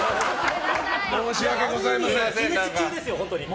申し訳ございません。